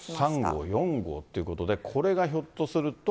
台風３号、４号ということで、これがひょっとすると。